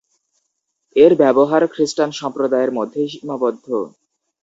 এর ব্যবহার খ্রিস্টান সম্প্রদায়ের মধ্যেই সীমাবদ্ধ।